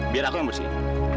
biar aku yang bersihin